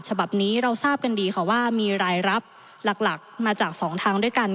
ฉบับนี้เราทราบกันดีค่ะว่ามีรายรับหลักมาจากสองทางด้วยกัน